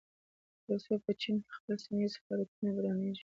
ترڅو په چين کې خپل سيمه ييز سفارتونه پرانيزي